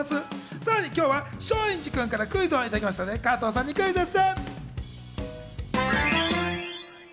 さらに今日は松陰寺君からクイズをいただいたので、加藤さんにクイズッス！